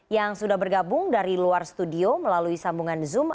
yang sudah bergabung dari luar studio melalui sambungan zoom